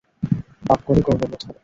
পাপ করে গর্ববোধ করে!